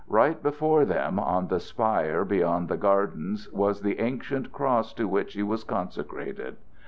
Right before them, on the spire beyond the gardens, was the ancient cross to which he was consecrated.